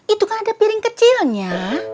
itu kan ada piring kecilnya